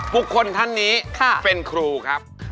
บุคคลท่านนี้เป็นครูครับค่ะ